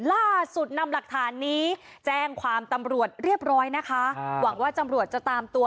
ล่าสุดนำหลักฐานนี้แจ้งความตำรวจเรียบร้อยนะคะหวังว่าตำรวจจะตามตัว